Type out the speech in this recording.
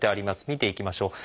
見ていきましょう。